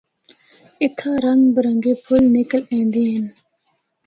اِتھا رنگ برنگے پُھل نکل ایندے ہن۔